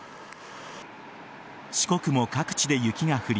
四国も各地で雪が降り